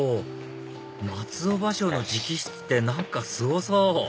松尾芭蕉の直筆って何かすごそう！